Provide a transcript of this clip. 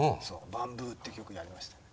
バンブーってよくやりましたよね。